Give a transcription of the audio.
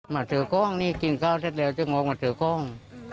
มาเถอะโค้งนี่กินข้าวเสร็จแล้วเถอะโง่มาเถอะโค้ง